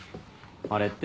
あれって？